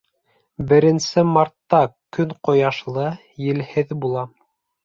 Беренсе мартта көн ҡояшлы, елһеҙ булһа